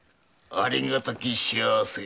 ありがたき幸せ。